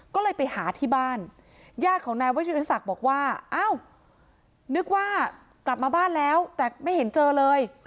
ก็เลยไปหาที่บ้านญาติของนายวัชิริศักดิ์บอกว่าอ้าวนึกว่ากลับมาบ้านแล้วแต่ไม่เห็นเจอเลย